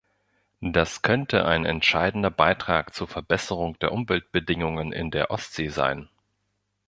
Das könnte ein entscheidender Beitrag zur Verbesserung der Umweltbedingungen in der Ostsee sein.